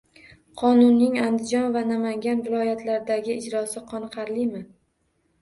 Qonunning Andijon va Namangan viloyatlaridagi ijrosi qoniqarlimi?